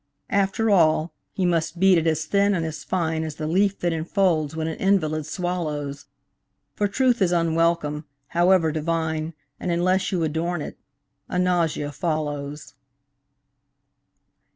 After all he must beat it as thin and as fine As the leaf that enfolds what an invalid swallows, For truth is unwelcome, however divine, And unless you adorn it, a nausea follows.